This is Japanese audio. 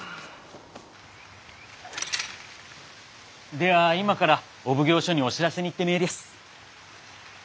では今からお奉行所にお知らせに行ってめえりやす。